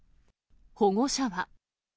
保護者は。